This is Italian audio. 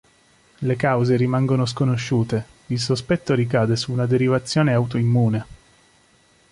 Le cause rimangono sconosciute, il sospetto ricade su una derivazione autoimmune.